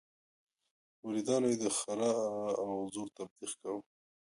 مریدانو یې د ښرا او زور تبليغ کاوه.